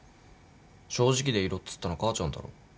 正直でいろっつったの母ちゃんだろ。